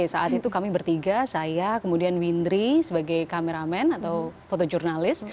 saat itu kami bertiga saya kemudian windri sebagai kameramen atau fotojurnalis